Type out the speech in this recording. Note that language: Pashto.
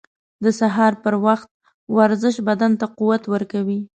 • د سهار پر وخت ورزش بدن ته قوت ورکوي.